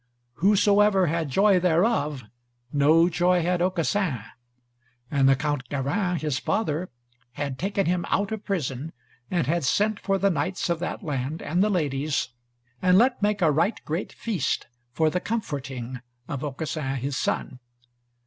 Whosoever had joy thereof, no joy had Aucassin. And the Count Garin, his father, had taken him out of prison, and had sent for the knights of that land, and the ladies, and let make a right great feast, for the comforting of Aucassin his son.